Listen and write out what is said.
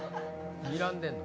にらんでんの？